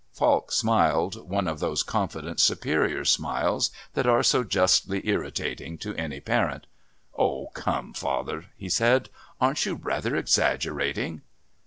Falk smiled, one of those confident, superior smiles that are so justly irritating to any parent. "Oh, come, father," he said. "Aren't you rather exaggerating?"